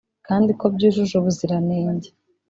kandi ko byujuje ubuziranenge